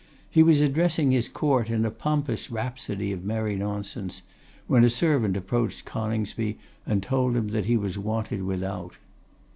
He was addressing his court in a pompous rhapsody of merry nonsense, when a servant approached Coningsby, and told him that he was wanted without.